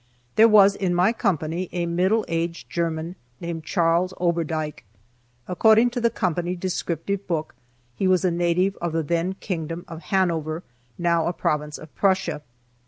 There was in my company a middle aged German named Charles Oberdieck. According to the company descriptive book, he was a native of the then kingdom of Hanover, now a province of Prussia.